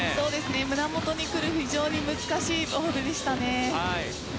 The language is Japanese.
胸元に来る非常に難しいボールでしたね。